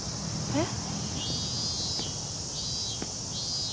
えっ？